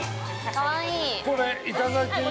かわいい。